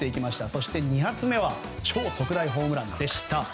そして２発目は超特大ホームランでした。